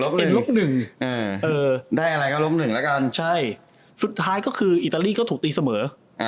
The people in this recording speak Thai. เป็นลบหนึ่งได้อะไรก็ลบหนึ่งแล้วกันใช่สุดท้ายก็คืออิตาลีก็ถูกตีเสมอ